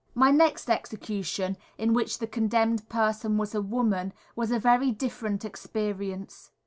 _ My next execution, in which the condemned person was a woman, was a very different experience.